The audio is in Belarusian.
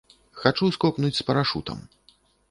Хачу скокнуць з парашутам.